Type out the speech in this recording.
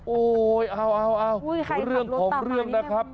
โอ้โหเอาเรื่องของเรื่องนะครับ